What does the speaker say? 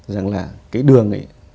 rằng là cái đường này